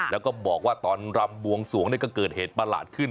แล้วก็บอกว่าตอนรำบวงสวงก็เกิดเหตุประหลาดขึ้น